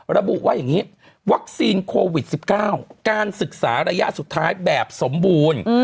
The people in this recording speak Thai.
ระบุว่าอย่างนี้วัคซีนโควิด๑๙การศึกษาระยะสุดท้ายแบบสมบูรณ์